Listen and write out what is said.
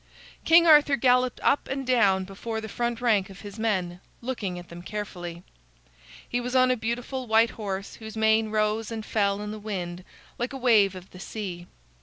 King Arthur galloped up and down before the front rank of his men, looking at them carefully. He was on a beautiful white horse whose mane rose and fell in the wind like a wave of the sea.